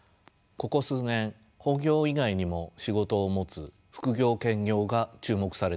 ここ数年本業以外にも仕事を持つ副業・兼業が注目されています。